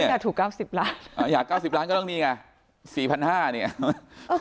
ก็อยากถูกเก้าสิบล้านอยากเก้าสิบล้านก็ต้องมีอ่ะสี่พันห้าเนี่ย